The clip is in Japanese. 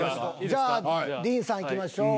じゃディーンさんいきましょう。